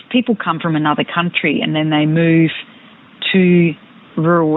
dan mereka bergerak ke kawasan luar